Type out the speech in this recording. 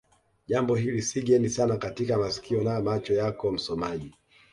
jambo hili si geni sana katika masikio na macho yako msomaji